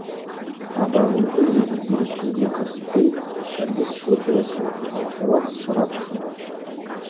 Абар ужвы йызбитӏ йгьихъасцӏитӏ, саргьи сшгӏвычӏвгӏвысу, ауахьауат сшрапшу.